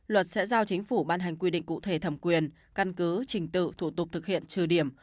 luật sẽ giao chính phủ ban hành quy định cụ thể thẩm quyền căn cứ trình tự thủ tục thực hiện trừ điểm